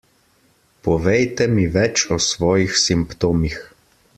Povejte mi več o svojih simptomih.